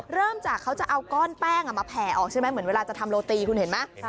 เริ่มจากเขาจะเอาก้อนแป้งมาแผ่ออกใช่ไหมเหมือนเวลาจะทำโรตีคุณเห็นไหม